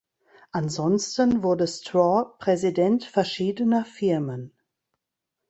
Ansonsten wurde Straw Präsident verschiedener Firmen.